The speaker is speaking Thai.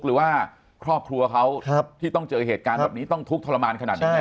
หรือว่าครอบครัวเขาที่ต้องเจอเหตุการณ์แบบนี้ต้องทุกข์ทรมานขนาดไหน